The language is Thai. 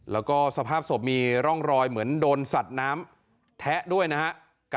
แล้วก็สภาพศพมีร่องรอยเหมือนโดนสัตว์น้ำแทะด้วยนะฮะ